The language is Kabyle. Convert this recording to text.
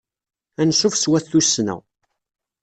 Ansuf s wat tussna.